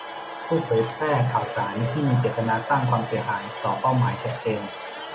ผู้เผยแพร่ข่าวสารที่มีเจตนาสร้างความเสียหายต่อเป้าหมายชัดเจน